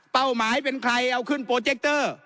หมายเป็นใครเอาขึ้นโปรเจคเตอร์